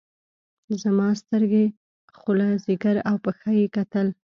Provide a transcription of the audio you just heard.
زما سترګې خوله ځيګر او پښه يې کتل.